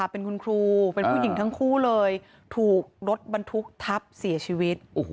เป็นคุณครูเป็นผู้หญิงทั้งคู่เลยถูกรถบรรทุกทับเสียชีวิต